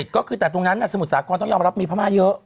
ก็คือแต่ตรงนั้นสมุทรสาครต้องยอมรับมีพม่าเยอะ